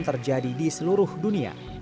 terjadi di seluruh dunia